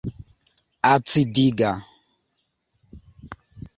Acidiga.